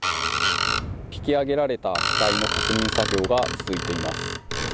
引き揚げられた機体の確認作業が進められています。